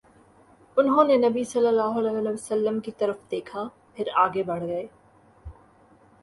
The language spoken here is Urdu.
انھوں نے نبی صلی اللہ علیہ وسلم کی طرف دیکھا، پھر آگے بڑھ گئے